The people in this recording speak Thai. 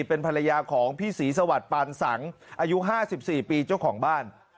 เป็นภรรยาของพี่ศรีสวัสดิ์ปานสังอายุ๕๔ปีเจ้าของบ้าน